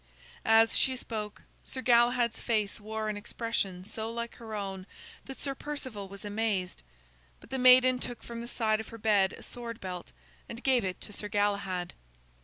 As she spoke, Sir Galahad's face wore an expression so like her own that Sir Perceval was amazed. But the maiden took from the side of her bed a sword belt, and gave it to Sir Galahad.